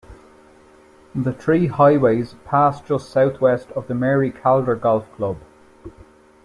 The three highways pass just southwest of the Mary Calder Golf Club.